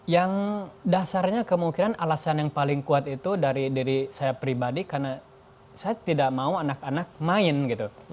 yang dasarnya kemungkinan alasan yang paling kuat itu dari diri saya pribadi karena saya tidak mau anak anak main gitu